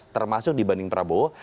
termasuk dibanding prabowo